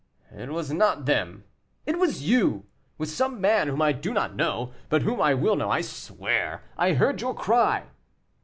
"It was not them; it was you, with some man whom I do not know, but whom I will know, I swear. I heard your cry."